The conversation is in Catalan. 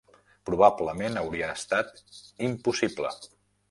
Probablement hauria estat impossible